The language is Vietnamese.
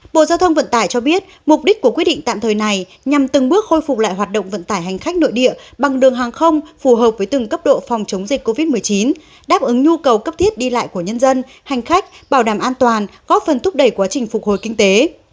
bộ giao thông vận tải cho biết mục đích của quyết định tạm thời này nhằm từng bước khôi phục lại hoạt động vận tải hành khách nội địa bằng đường hàng không phù hợp với từng cấp độ phòng chống dịch covid một mươi chín đáp ứng nhu cầu cấp thiết đi lại của nhân dân hành khách bảo đảm an toàn góp phần thúc đẩy quá trình phục hồi kinh tế